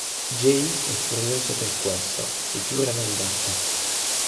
Jay è furioso per questo e giura vendetta.